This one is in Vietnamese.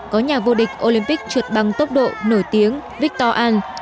có nhà vô địch olympic trượt bằng tốc độ nổi tiếng victor an